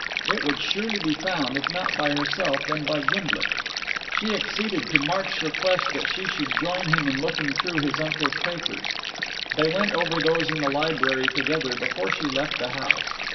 It would surely be found, if not by herself, then by Gimblet. She acceded to Mark's request that she should join him in looking through his uncle's papers. They went over those in the library together before she left the house.